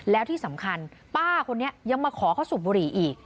แล้วที่สำคัญป้าคนนี้ยังมาขอเขาสูบบุหรี่อีก